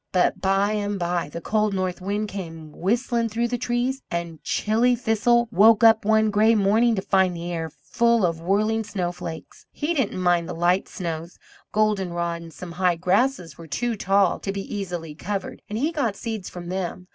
But by and by the cold North Wind came whistling through the trees, and chilly Thistle woke up one gray morning to find the air full of whirling snowflakes He didn't mind the light snows, golden rod and some high grasses were too tall to be easily covered, and he got seeds from them.